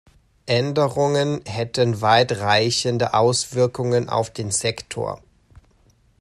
Änderungen hätten weit reichende Auswirkungen auf den Sektor.